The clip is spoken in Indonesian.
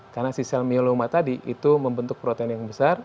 karena si sel myeloma tadi itu membentuk protein yang besar